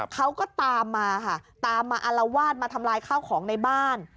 เขาก็ตามมาค่ะตามมาอารวาสมาทำลายข้าวของในบ้าน